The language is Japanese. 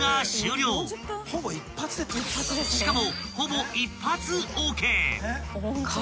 ［しかも］